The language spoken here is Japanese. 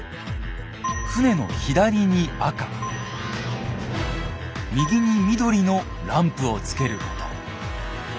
船の左に赤右に緑のランプをつけること。